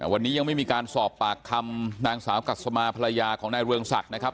วันนี้ยังไม่มีการสอบปากคำนางสาวกัสมาภรรยาของนายเรืองศักดิ์นะครับ